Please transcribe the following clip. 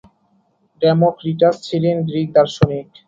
Democritus ছিলেন Greek দার্শনিক।